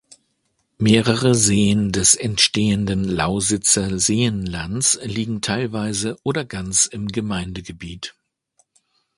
Mehrere Seen des entstehenden Lausitzer Seenlands liegen teilweise oder ganz im Gemeindegebiet.